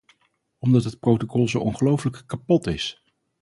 Omdat het protocol zo ongelofelijk kapot is.